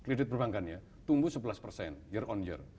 kredit perbankannya tumbuh sebelas persen year on year